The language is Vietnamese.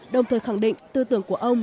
đồng thời khẳng định tư tưởng của ông